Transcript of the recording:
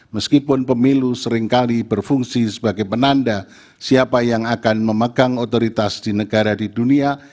meskipun pemilu seringkali berfungsi sebagai penanda siapa yang akan memegang otoritas di negara di dunia